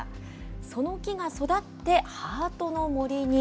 その木が育ってハートの森に。